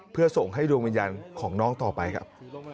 เพื่อส่งให้ดวงวิญญาณของน้องต่อไปครับ